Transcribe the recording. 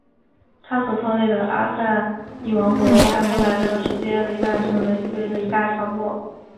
他所创立的阿散蒂王国在后来的时间里发展成为西非的一大强国。